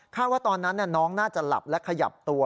ค่าว่าตอนนั้นน่าจะหลับและขยับตัว